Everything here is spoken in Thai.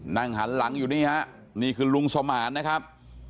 นั่งหันหลังอยู่นี่ฮะนี่คือลุงสมานนะครับ